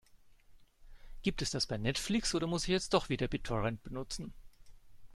Gibt es das bei Netflix oder muss ich jetzt doch wieder BitTorrent benutzen?